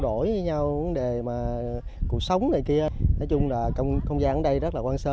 đổi nhau vấn đề mà cuộc sống này kia nói chung là trong không gian ở đây rất là quan sơ